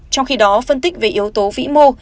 trong khi đó phân tích về yếu tố vĩ mô